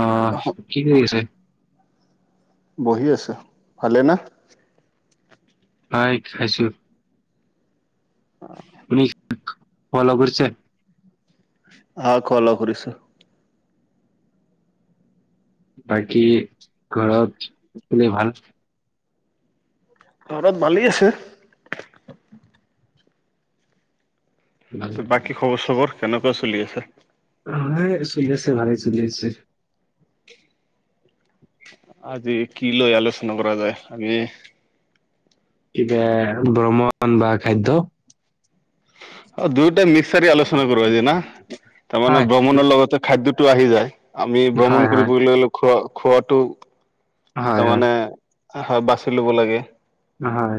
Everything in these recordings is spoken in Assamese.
অ কি কৰি আছে বহি আছ ভালে নে ভাই খাইছো হয় উনি ফল কৰিছে অ কল কৰিছো বাকী ঘৰত কোনে ভাল ঘৰত ভালে আছে ত বাকী খবৰ খবৰ কেনেকুৱা চলি আছে [unintelligible] আজি কি লৈ আলোচনা কৰা যায় আমি কিবে ভ্ৰমণ বা খাদ্য অ দুইটা মিক্স চাৰি আলোচনা কৰো আজি না তাৰমানানে হয়, ভ্ৰমণৰ লগতে খাদ্যটো আহি যায় আমি ভ্ৰমণ হয়, হয়, কৰিবলৈ হলে খোৱা খোৱাটো হয়, হয়, তাৰমানে আ সা বাচি ল'ব লাগে হয়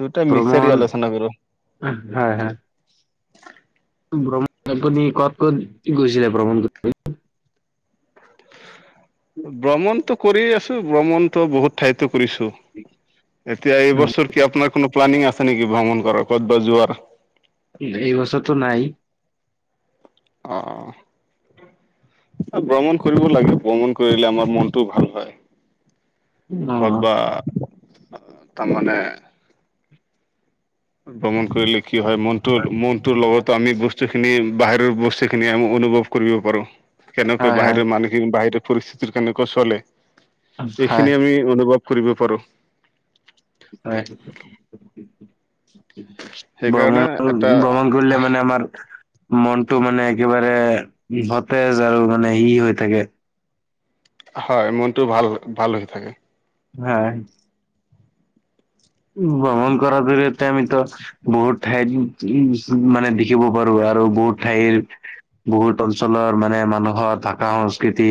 দুটা মিক্সচাৰি ভ্ৰমণ আলোচনা কৰো হয় হয় ভ্ৰমণ আপুনি ক'ত কত গৈছিলে ভ্ৰমণ কৰি [unintelligible] ভ্ৰমণতটো কৰি আছো ভ্ৰমণটো বহুত ঠাইয়টো কৰিছো এতিয়া এই বছৰ কি আপোনাৰ কোনো প্লানিং আছে নেকি ভ্ৰমণ কৰাৰ ক'তবা যোৱাৰ উ এইবছৰটো নাই অঁ ভ্ৰমণ কৰিব লাগে ভ্ৰমণ কৰিলে আমাৰ মনটোও ভাল হয় ক'ত অ'। বা তাৰমানে ভ্ৰমণ কৰিলে কি হয় মনটো মনটোৰ লগতো আমি ব বস্তু খিনি বাহিৰৰ বস্তু খিনি আমি অনুভৱ কৰিব পাৰো কেনেকৈ হয়, হয়, বাহিৰৰ মানুহ বাহৰে পৰিস্থিতি কেনেকৈ চলে হয়, এইখিনি আমি অনুভৱ কৰিব পাৰো হয় সেইকাৰণে ভ্ৰমণ এটা ভ্ৰমণ কৰিলে মানে আমাৰ মনতটো মানে একেবাৰে সতেজ আৰু মানে ই হৈ থাকে হয় মনটো ভাল ভাল হৈ থাকে হয় ভ্ৰমণ কৰা ধৰি এতিয়া আমিত বহুত ঠাইত উ মানে দেখিব পাৰো আৰু বহুত ঠাইৰ বহুত অঞ্চলৰ মানে মানুহৰ ভাষা সংস্কৃতি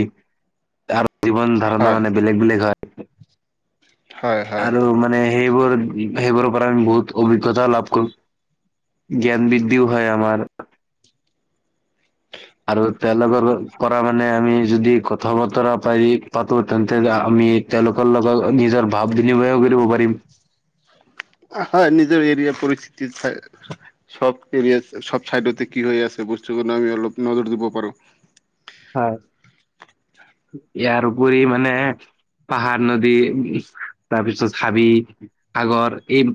আৰু জীৱন ধাৰণা হয় মানে বেলেগ বেলেগ হয়। হয় হয় আৰু মানে সেইবোৰ, সেইবোৰৰ পৰা আমি বহুত অভিজ্ঞতাও লাভ কৰোঁ জ্ঞান বৃদ্ধিও হয় আমাৰ আৰু তেওঁলোকৰ পৰা মানে আমি যদি কথা বতৰা পাৰি পাতো তেন্তে আমি তেওঁলোকৰ লগত নিজৰ ভাৱ বিনিময়ও কৰিব পাৰিম। হয় নিজৰ এৰিয়া পৰিস্থিতি চাই। সব ক সব চাইডতে কি হৈ আছে বস্তু আমি অলপ নজৰ দিব পাৰো। হয়। ইয়াৰ উপৰি মানে পাহাৰ, নদী, তাৰপিছত হাবি, সাগৰ এই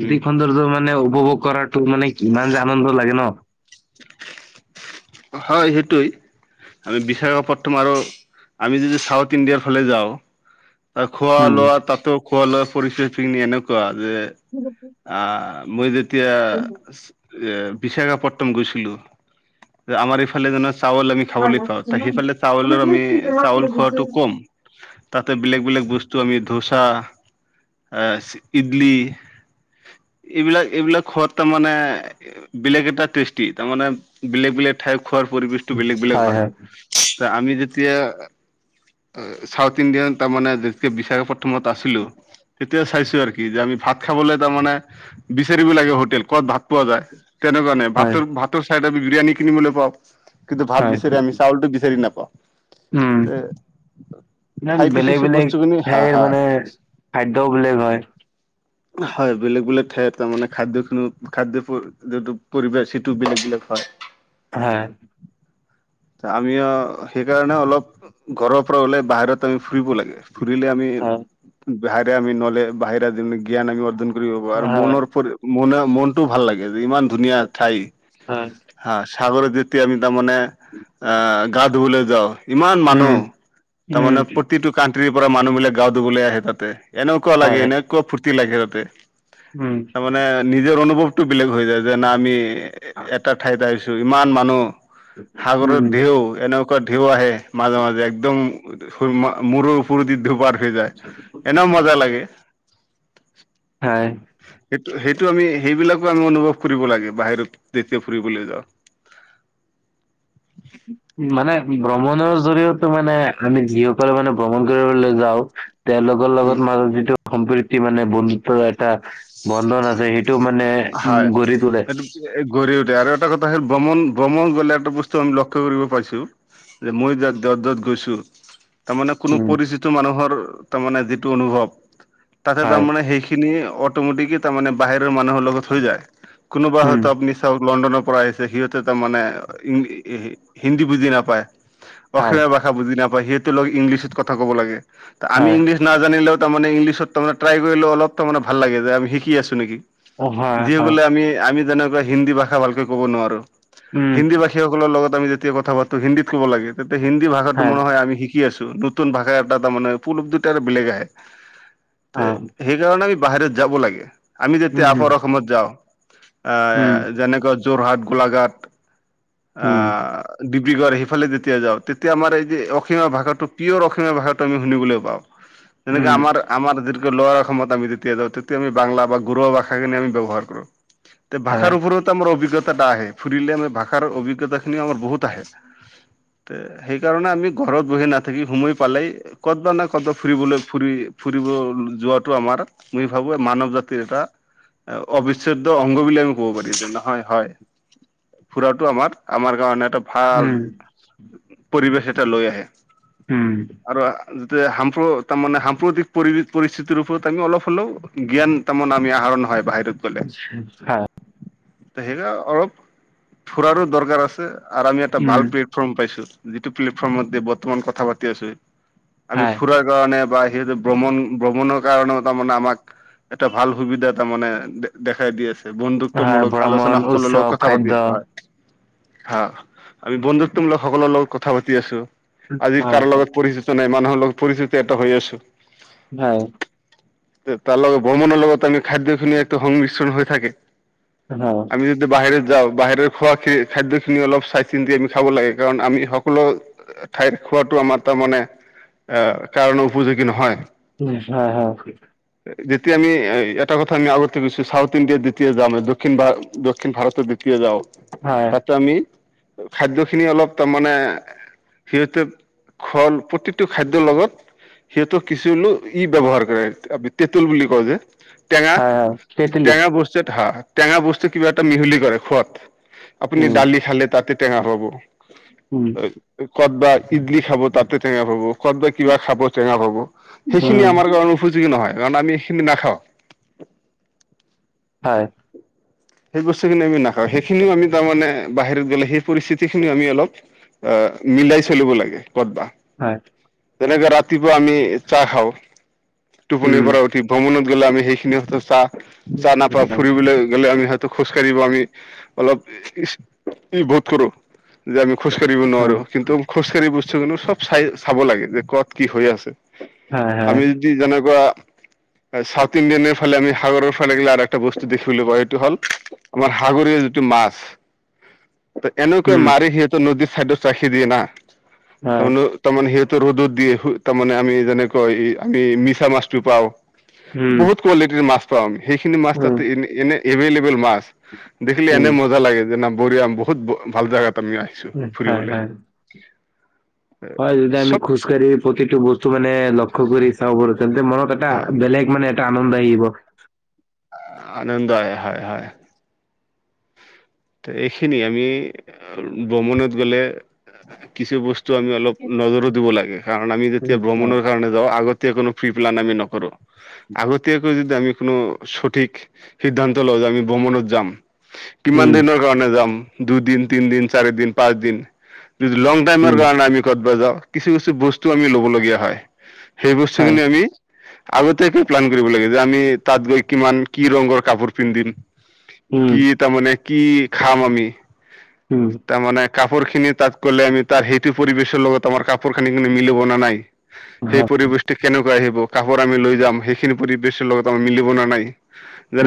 উম সৌন্দৰ্য মানে উপভোগ কৰাটো মানে কিমান যে আনন্দ লাগে ন। হয় সেইটোৱেই। আমি বিশখাপট তোমাৰ আৰু আমি যদি চাউথ ইণ্ডিয়াৰ ফালে যাওঁ খোৱা উম লোৱা তাতো খোৱা লোৱা [unintelligible] এনেকুৱা যে [unintelligible] আ মই যেতিয়া বিশাখাপটনম গৈছিলোঁ আমাৰ এইফালে যেনেকোৱা চাউল আমি খাবলৈ পাওঁ, সেইফালে চাউলৰ আমি চাউল খোৱাটো কম। তাতে বেলেগ বেলেগ বস্তু আমি ধোচা, ইডলি, এইবিলাক এইবিলাক খোৱাত তাৰমানে বেলেগ এটা টেষ্টি। তাৰমানে বেলেগ বেলেগ ঠাই খোৱাৰ পৰিৱেশটো বেলেগ বেলেগ হয়। ত আমি যেতিয়া চাউথ ইণ্ডিয়ান তাৰমানে যেতিয়া বিশাখাপথমত আছিলো তেতিয়া চাইছো আৰ কি যে আমি ভাত খাবলৈ তাৰ মানে বিচাৰিব লাগে হোটেল ক'ত ভাত পোৱা যায়। তেনেকুৱা নাই। হয় ভাতৰ ভাতৰ চাইড আমি বিৰিয়ানী কিনিবলৈ পাওঁ, কিন্তু ভাত হয় বিচাৰি, আমি চাউলটো বিচাৰি নাপাওঁ। উম ইমান ঠাই বেলেগ বিশেষে বেলেগ বস্তুখিনি হা ঠাইৰ হা মানে খাদ্যও বেলেগ হয়। হয়। বেলেগ বেলেগ ঠাইত তাৰ মানে খাদ্য খিনো খাদ্যয় যটো পৰিৱেশ সেইটো বেলেগ বেলেগ হয়। হা। ত আমি অ সেইকাৰণে অলপ ঘৰৰ পৰা ওলাই বাহিৰত আমি ফুৰিব লাগে। ফুৰিলে আমি হয় বাহিৰা আমি নহ'লে বাহিৰা জ্ঞান আমি অৰ্জন হয় মনৰ প, মনটো ভাল লাগে যে ইমান ধুনীয়া ঠাই, হয় হা সাগৰত যেতিয়া আমি তাৰমানে গা ধবলে যাওঁ, ইমান মানুহ, উম উম তাৰমানে প্ৰতিটো কানট্ৰিৰ পৰা মানুহ বিলাক গাওঁ ধুবলৈ আহে তাতে, এনেকুৱা লাগে হয় এনেকুৱা ফূৰ্তি লাগে তাতে উম। মানে নিজৰ অনুভৱটো বেলেগ হৈ যায়, যেন আমি এটা ঠাইত আহিছো, ইমান মানুহ সাগৰৰ উম ঢেউ, এনেকুৱা ঢেউ আহে মাজে মাজে একদম মূৰৰ ওপৰদি ধুপাত হৈ যায়, এনেই মজা লাগে। হয়। সেইটো সেইটো আমি সেইবিলাকো আমি অনুভৱ কৰিব লাগে, বাহিৰত যেতিয়া ফুৰিবলৈ যাওঁ। [inaudible] মানে ভ্ৰমণৰ জৰিয়তে মানে আমি যিসকলে মানে ভ্ৰমণ কৰিবলৈ যাওঁ, তেওঁলোক লগত মাজত যিটো সম্প্ৰীতি মানে বন্ধুত্ব এটা বন্ধন আছে, সেইটো তেওঁ মানে হয়। ঘূৰি ফুৰে। সেইটো গঢ়ি উঠে আৰু এটা কথা হ'ল, ভ্ৰমন ভ্ৰমন গ'লে এটা বস্তু আমি লক্ষ্য কৰিব পাইছো। যে মই যে যত যত গৈছোঁ। তাৰমানে কোনো উম, পৰিচিত মানুহৰ তাৰমানে যিটো অনুভৱ, তাতেই হয়, তাৰমানে সেইখি খিনি অটমেটিকেই তাৰমানে বাহিৰৰ মানুহৰ লগত হৈ যায়। কোনোবা উম, হয়তো আপুনি চাওক, লণ্ডনৰ পৰা আহিছে। সিহঁতে তাৰমানে হিন্দী বুজি নাপায়। হয়, অসমীয়া ভাষা বুজি নাপাই, সিহতৰ লগ ইংলিছত কথা ক'ব লাগে, আমি হয়, ইংলিছ নাজানিলেও, তাৰমানে ইংলিছত তাৰমানে ট্ৰাই কৰিলেও তাৰমানে অলপ ভাল লাগে যে, আমি শিকি আছো নেকি? অ', হয়, হয়, যিবোলে আমি, আমি যেনেকুৱা হিন্দী ভাষা ভালকৈ কব নোৱাৰো, উম, হিন্দী ভাষী সকলৰ লগত আমি যেতিয়া কথা পাতো, হিন্দীত ক'ব লাগে, তেতিয়া হিন্দী ভষাটো ম হয় আমি শিক শিকি আছো, নতুন ভাষা এটা তাৰমানে, এটা বেলেগ আহে। অ', সেইকাৰণে আমি বাহিৰত যাব লাগে, আমি উম, যেতিয়া আপাৰ অসমত যাওঁ, উম, যেনেকুৱা যোৰহাট, গোলাঘাট, উম, আহ ডিব্ৰুগড় সিফালে যেতিয়া যাওঁ, তেতিয়া আমাৰ এই যে অসমীয়া ভাষাটো, পিয়ৰ অসমীয়া ভাষাটো আমি শুনিবলৈ পাওঁ। [unintelligible] তেনেকে আমাৰ, আমাৰ য ল'ৱাৰৰ অসমত আমি যেতিয়া যাওঁ, তেতিয়া আমি বাংলা বা গৰুৱা ভাষাখিনি আমি ব্যৱহাৰ কৰো, তে হয়, ভাষাৰ ওপৰত আমাৰ অভিজ্ঞতা এটা আহে, ফুৰিলে আমাৰ ভাষাৰ অভিজ্ঞতাখিনি আমাৰ বহুত আহে। তে সেইকাৰণে আমি ঘৰত বহি নাথাকি সময় পালেই ক'তবা নহয় ক'তবা ফুৰিবলৈ, ফুৰি ফুৰিব যোৱাটো আমাৰ মই ভাবোঁ এই মানৱ জাতিৰ এটা অবিচ্ছেদ্য অংগ বুলি আমি ক'ব পাৰি। হয় হয়। ফুৰাটো আমাৰ, আমাৰ কাৰণে এটা ভাল উম, পৰিবেশ এটা লৈ আহে। উম। আৰু যিটো সাম্প তাৰমানে সাম্প্ৰতিক পৰিবেশ পৰিস্থিতিৰ ওপৰত আমি অলপ হ'লেও জ্ঞান তাৰমানে আমি আহৰণ হয় বাহিৰত। হা সেই অলপ ফুৰাৰো দৰকাৰ আছে আৰু আমি এটা ভাল উম, প্লে ফৰ্ম পাইছো, যিটো প্লেটফৰ্মত বৰ্তমান কথা পাতি আছো, আমি হয়, ফুৰাৰ কাৰণে বা সিহতে ভ্ৰমণ ভ্ৰমণৰ কাৰণেও তাৰমানে আমাক এটা ভাল সুবিধা তাৰমানে দেখাই দি আছে, হয়, বন্ধুত্বমূলক ভ্ৰমণ, আলোচনা সকলৰ লগত উৎসৱ, কথা পাতি খাদ্য, আছে, হয়। হা, আমি বন্ধুত্বমূলক সকলৰ লগত কথা পাতি আছো। আজি হয়, কাৰো লগত পৰিচিত নাই, মানুহৰ লগত পৰিচিতি ইয়াতে হৈ আছো। হয়। তাৰ লগত ভ্ৰমণৰ লগত আমি খাদ্যখিনি ইয়াতো সংমিশ্ৰণ হৈ থাকে। হা আমি যদি বাহিৰত যাওঁ বাহিৰৰ খোৱা খাদ্যখিনি অলপ চাই চিন্তি আমি খাব লাগে কাৰণ আমি সকলো ঠাইত খোৱাতটো আমাৰ তাৰমানে এ কাৰণ উপযোগী নহয়। উম হয় হয়। যেতিয়া আমি এটা কথা আমি আগত গৈছো চাউথ ইণ্ডিয়াত দ্বিতীয় যাওঁ দক্ষিণ দক্ষিণ ভাৰতৰ দ্বিতীয় যাওঁ। হয়। তাতে আমি খাদ্য খিনি অলপ তাৰমানে। সিহঁতে প্ৰতিটো খাদ্যৰ লগত সেইহেতু কিছুলোক ই ব্যৱহাৰ কৰে, আ তেঁতুল বুলি কওঁ যে, টেঙা। হয় হয় টেঙা বস্তু এটা হা টেঙা বস্তু কিবা এটা মিহলি কৰে খোৱাত আপুনি উম দালি খালে তাতে টেঙা পাব উম কদ বা ইডলি খাব তাতে টেঙা পাব। ক'ত বা কিবা খাব টেঙা পাব, সেইখিনি উম আমাৰ কাৰণে উপযোগী নহয় কাৰণ আমি এইখিনি নাখাওঁ। হয়। সেই বস্তুখিনি আমি নাখাওঁ সেইখিনিও আমি তাৰমানে বাহিৰত গ'লে সেই পৰিস্থিতি খিনি আমি অলপ অ' মিলাই চলিব লাগে কত বা হয়। তেনেকে ৰাতিপুৱা আমি চাহ খাওঁ টোপনিৰ উম পৰা উঠি। ভ্ৰমণত গ'লে আমি সেইখিনিত চাহ চাহ নাপাও ফুৰিবলৈ গ'লে আমি খোজকাঢ়িব আমি অলপ বোধ কৰোঁ। যে আমি খোজকাঢ়িব নোৱাৰো কিন্তু খোজকাঢ়ি বস্তু কিন্তু চব চাই চাব লাগে যে ক'ত কি হৈ আছে। হয় হয় আমি যেনেকুৱা চাউথ ইণ্ডিয়ানে ফালে আমি সাগৰৰ ফালে ইগলা আৰু এটা বস্তু দেখিবিলে পোৱা এইটো হল। আমাৰ সাগৰীয় যিটো মাছ ত' এনেকৈ উম মাৰি সিহ নদীৰ চাইডত ৰাখি দিয়ে না হয় তাৰমানে তাৰমানে সিহঁতৰ ৰ'দত দিয়ে তাৰমানে আমি যেনেকৈ আমি মিছা মাছটো পাওঁ। উম বহুত কোৱালিটিৰ মাছ পাওঁ আমি সেইখিনি মাছ উম তাতে এনে এনে এভেইলেবল মাছ। দেখিলে উম এনে মজা লাগে যেনে বঢ়িয়া বহুত ভাল জাগাত আমি আহি উম, হয় - হয়। হয়, যদি আমি চব খোজকাঢ়ি প্ৰতিটো বস্তু মানে লক্ষ্য কৰি চাওঁ পাৰো তেন্তে মনত এটা হয় বেলেগ মানে এটা আনন্দ আহিব। আনন্দ হয় - হয় - হয়। তে এইখিনি আমি ভ্ৰমনত গলে কিছু বস্তু আমি অলপ নজৰো দিব লাগে কাৰণ আমি যেতিয়া উম ভ্ৰমণৰ হয়, কাৰণে যাওঁ আগত তে কোনো ফ্ৰি প্লেন আমি নকৰো আগতিয়াকৈ যদি আমি কোনো সঠিক সিদ্ধান্ত লওঁ যে আমি ভ্ৰমণত যাম কিমান উম দিনৰ কাৰণে যাম দুদিন তিনিদিন চাৰিদিন পাঁচদিন যদিটো লং টাইমৰ উম, কাৰণে আমি ক'টবা যাওঁ কিছু কিছু বস্তু আমি ল'বলগীয়া হয় সেই হয় বস্তুখিনি আমি আগতে একো প্লেন কৰিব লাগে যে আমি তাত গৈ কিমান কি ৰঙৰ কাপোৰ পিন্ধিম। উম কি তাৰমানে কি খাম আমি? উম, তাৰমানে কাপোৰ খিনি তাত কৰিলে আমি তাৰ সেইটো পৰিৱেশৰ লগত আমাৰ কাপোৰ খানি কিন্তু মিলিব নে নাই? সেই হয় পৰিবেশটো কেনেকুৱা আহিব কাপোৰ আমি লৈ যাম সেইখিনি পৰিবেশৰ লগত আমি মিলিব না নাই?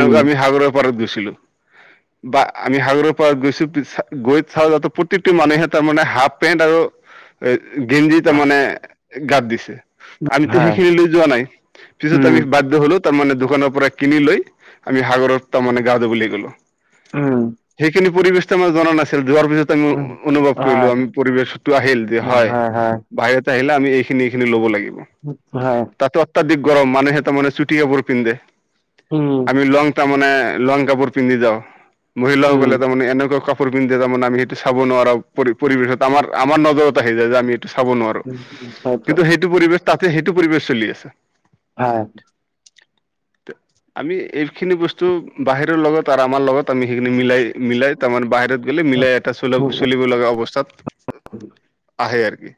উম আমি সাগৰৰ পাৰত গৈছিলো। বা আমি সাগৰৰ পৰা গৈছোঁ গৈ চাওঁ যাতে প্ৰত্যেকটো মানুহে তাৰমানে হাফ পেণ্ট আৰু গেঞ্জি তাৰমানে গাত দিছে। আমিতো হয় সেইখিনি লৈ যোৱা নাই পিছত উম আমি বাধ্য হলো তাৰমানে দোকানৰ পৰা কিনি লৈ আমি সাগৰত তাৰমানে গা ধুবলৈ গলো। উম সেইখিনি পৰিবেশ ত' আমাৰ জনা নাছিল যোৱাৰ পিছত আমি উম, অনুভৱ হয় কৰিলো আমি পৰিৱেশটো আহিল যে হয় বাহিৰতে আহিলে আমি এইখিনি এইখিনি ল'ব লাগিব। হাঁ? তাতো অত্যাধিক গৰম মানুহে তাৰ মানে চুটি কাপোৰ পিন্ধে উম আমি লং তাৰমানে লং কাপোৰ পিন্ধি যাওঁ, উম মহিলাসকলে তাৰমানে এনেকুৱা ফ পিন্ধে তাৰমানে আমি সেইটো চাব নোৱাৰো পৰি পৰিৱেশত আমাৰ আমাৰ নজৰত আহি যায় যে আমি চাব নোৱাৰো হয়। কিন্তু সেইটো পৰিৱেশ তাতে সেইটো পৰিবেশ চলি আছে হয় আমি এইখিনি বস্তু বাহিৰৰ লগত আৰু আমাৰ লগত। আমি সেইখিনি মিলাই মিলাই তাৰমানে বাহিৰত গ'লে মিলাই এটা চল চলিব লগা অৱস্থাত। আহে আৰু কি।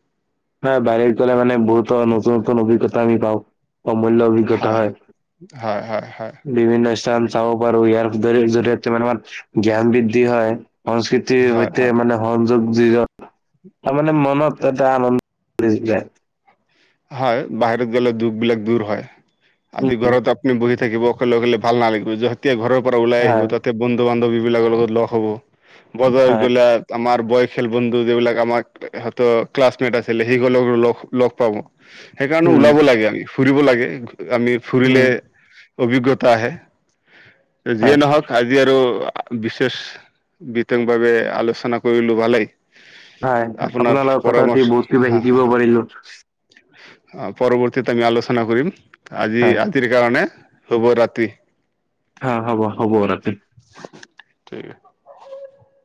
হয় বাহিৰত গ'লে মানে বহুতো নতুন নতুন অভিজ্ঞতা আমি পাওঁ। অমূল্য অভিজ্ঞতা হয় হয় হয় বিভিন্ন স্থান চাব পাৰো ইয়াৰ জ জৰিয়তে মানে আমাৰ জ্ঞান বৃদ্ধি হয় সংস্কৃত হয় সৈতে হয় মানে সংযোগ জীৱ তাৰ মানে মনত এটা আনন্দ হয় বাহিৰত গ'লে দুখ বিলাক দূৰ হয় উম, আজি ঘৰত আপুনি বহি থাকিব অকলে অকলে ভাল নালাগিব তাতকে ঘৰৰ পৰা ওলাই আহিব হয় তাতে বন্ধু বান্ধৱী বিলাকৰ লগত লগ হ'ব বজাৰ হয় গলে আমাৰ বয়খিয়াল বন্ধু যিবিলাক আমাক সিহঁতৰ ক্লাছমেট আছিলে সেই সকলোকো লগ লগ পাব সেইকাৰণে উম ওলাব লাগে আমি ফুৰিব লাগে আমি ফুৰিলে উম অভিজ্ঞতা আহে যিয়ে হয় নহওক আজি আজি আৰু বিশেষ বিতংভাৱে আলোচনা কৰিলো ভালেই হয় আপোনাৰ আপোনাল লগত কথা পাতি পৰামৰ্শ বহুত কিবা শিকিব পাৰিলো অ পৰৱৰ্তীত আমি আলোচনা কৰিম আজি হয় আজিৰ কাৰণে শুভৰাতি হা হ'ব শুভৰাতি ঠিক [inaudible]